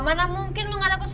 mana mungkin lo gak takut setan